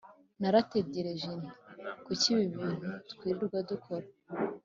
Naratekereje nti kuki ibi bintu twirirwa dukora